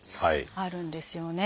あるんですよね。